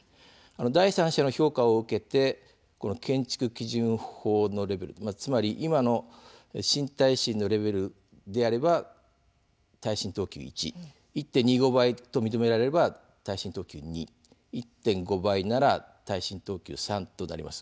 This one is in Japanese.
第三者の評価を受けて建築基準法のレベルつまり今の新耐震のレベルなら耐震等級１１．２５倍と認められれば耐震等級２１．５倍なら耐震等級３となります。